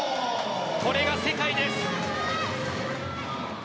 これが世界です。